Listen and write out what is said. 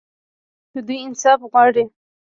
او دوی انصاف غواړي.